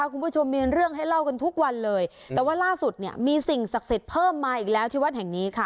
คุณผู้ชมมีเรื่องให้เล่ากันทุกวันเลยแต่ว่าล่าสุดเนี่ยมีสิ่งศักดิ์สิทธิ์เพิ่มมาอีกแล้วที่วัดแห่งนี้ค่ะ